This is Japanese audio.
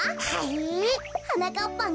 え？